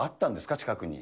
近くに。